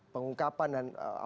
pengungkapan dan apa ya